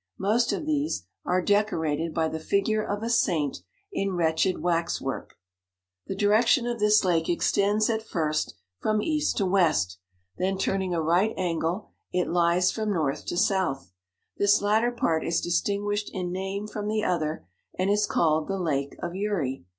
Most of these are decorated by 48 the figure of a saint in wretched wax work. The direction of this lake extends at first from east to west, then turning a right angle, it lies from north to south ; this latter part is distinguished in name from the other, and is called the lake of Uri.